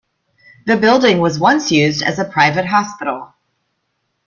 The building was once used as a private hospital.